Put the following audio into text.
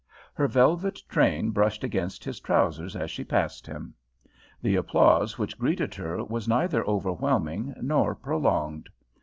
Her velvet train brushed against his trousers as she passed him. The applause which greeted her was neither overwhelming nor prolonged.